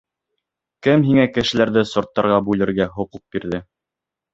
Кем һиңә кешеләрҙе сорттарға бүлергә хоҡуҡ бирҙе?